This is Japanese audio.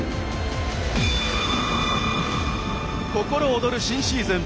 心躍る新シーズン